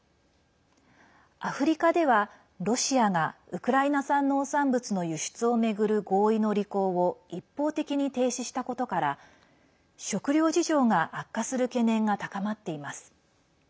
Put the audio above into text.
アフリカでは、ロシアがウクライナ産農産物の輸出を巡る合意の履行を一方的に停止したことから食料事情が悪化する懸念が高まっています。